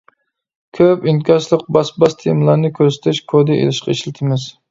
كۆپ ئىنكاسلىق باس-باس تېمىلارنى كۆرسىتىش كودى ئېلىشقا ئىشلىتىمىز.